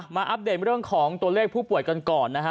อัปเดตเรื่องของตัวเลขผู้ป่วยกันก่อนนะฮะ